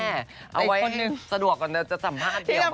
เอาไว้ให้สะดวกก่อนจะสัมภาษณ์เดียว